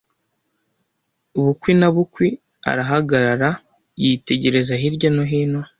Bukwi na bukwi, arahagarara, yitegereza hirya no hino.